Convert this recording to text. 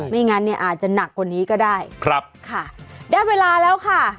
ไม่งั้นเนี่ยอาจจะหนักกว่านี้ก็ได้ครับค่ะได้เวลาแล้วค่ะ